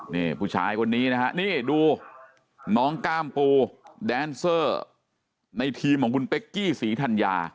นี่ผู้ชายคนนี้นะฮะนี่ดูน้องก้ามปูแดนเซอร์ในทีมของคุณเป๊กกี้ศรีธัญญา